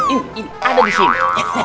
ini ini ada disini